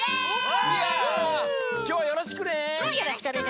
きょうはよろしくね。